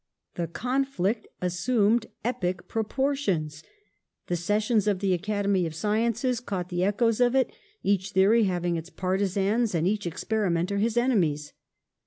The conflict assumed epic proportions. The ses sions of the Academy of Sciences caught the echoes of it, each theory having its partizans, and each experimenter his enemies.